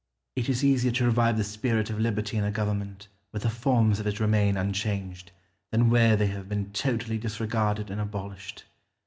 Scipio. It is easier to revive the spirit of liberty in a government where the forms of it remain unchanged, than where they have been totally disregarded and abolished.